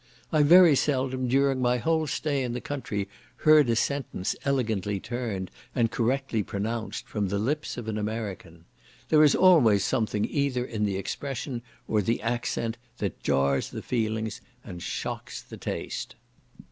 I very seldom during my whole stay in the country heard a sentence elegantly turned, and correctly pronounced from the lips of an American. There is always something either in the expression or the accent that jars the feelings and shocks the taste.